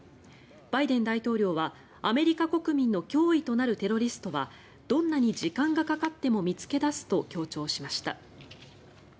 バイデン大統領はアメリカ国民の脅威となるテロリストはどんなに時間がかかっても見つけ出すと強調しました。